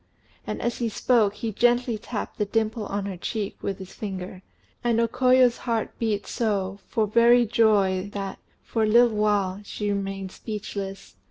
and as he spoke, he gently tapped the dimple on her cheek with his finger; and O Koyo's heart beat so, for very joy, that, for a little while, she remained speechless.